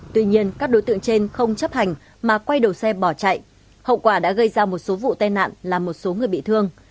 tuy nhiên các đối tượng trên không chấp hành mà quay đầu xe bỏ chạy hậu quả đã gây ra một số vụ tai nạn làm một số người bị thương